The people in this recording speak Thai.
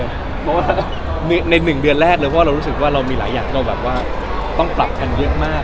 เพราะว่าใน๑เดือนแรกเรารู้สึกว่าเรามีหลายอย่างต้องปรับกันเยอะมาก